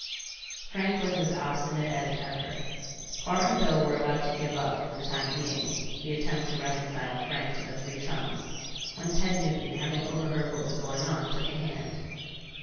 Frank was as obstinate as ever. Bart and Bill were about to give up, for the time being, the attempt to reconcile Frank to the three chums, when Ted Newton, having overheard what was going on, took a hand.